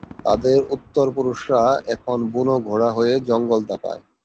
তাদের উত্তর-পুরুষরা এখন বুনো ঘোড়া হয়ে জঙ্গল দাপায়।